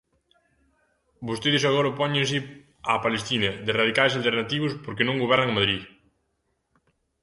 Vostedes agora póñense á palestina, de radicais alternativos, porque non gobernan en Madrid.